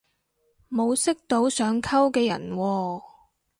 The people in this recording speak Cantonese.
冇識到想溝嘅人喎